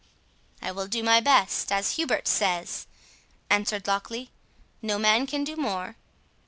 "I will do my best, as Hubert says," answered Locksley; "no man can do more."